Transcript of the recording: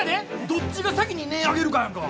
どっちが先に音ぇ上げるかやんか。